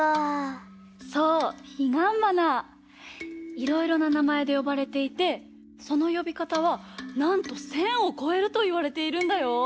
いろいろななまえでよばれていてそのよびかたはなんと１，０００をこえるといわれているんだよ。